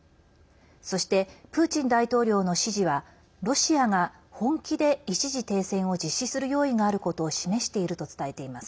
そして、プーチン大統領の指示はロシアが本気で一時停戦を実施する用意があることを示していると伝えています。